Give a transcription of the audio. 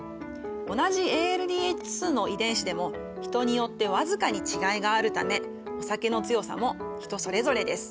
同じＡＬＤＨ２の遺伝子でも人によって僅かに違いがあるためお酒の強さも人それぞれです。